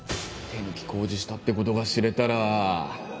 手抜き工事したってことが知れたら